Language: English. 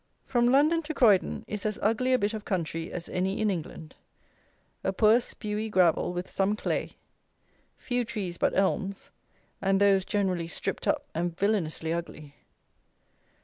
From London to Croydon is as ugly a bit of country as any in England. A poor spewy gravel with some clay. Few trees but elms, and those generally stripped up and villanously ugly.